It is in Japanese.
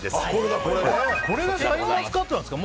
これがシャインマスカットなんですか。